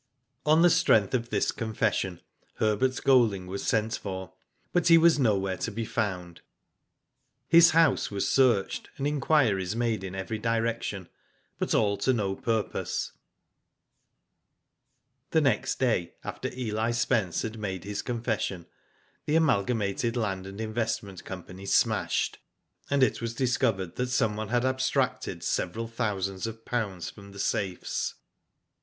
'' On the strength of this confession Herbert Golding was sent for, but he was nowhere to be found. His house was searched, and inquiries made in every direction, but all to no purpose. The next day, after Eli Spence had made his confession, the Amalgamated Land and Investment Company smashed, and it was discovered that someone had abstracted several thousands of pounds from the safes.